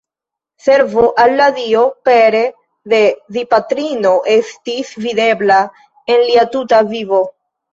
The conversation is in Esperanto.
Servo al la Dio pere de Dipatrino estis videbla en lia tuta vivo.